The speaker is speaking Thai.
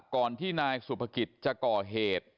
ก่อนที่นายสุภกิจจะก่อเหตุ